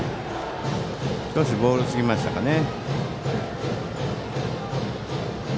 少しボールすぎましたかね。